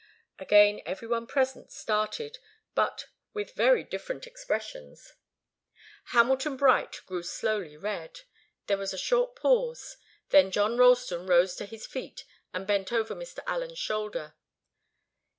Again every one present started, but with very different expressions. Hamilton Bright grew slowly red. There was a short pause. Then John Ralston rose to his feet and bent over Mr. Allen's shoulder.